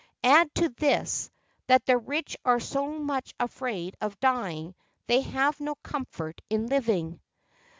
Add to this, that the rich are so much afraid of dying they have no comfort in living."